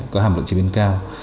có hàm lượng chế biến cao